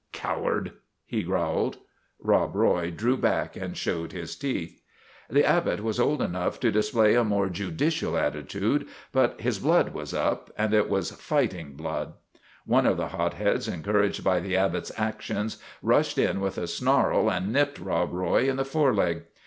'' Coward !' he growled. Rob Roy drew back and showed his teeth. The Abbot was old enough to display a more judicial attitude, but his blood was up, and it was righting blood. One of the hotheads, encouraged by The Abbot's actions, rushed in with a snarl and nipped Rob Roy in the fore leg.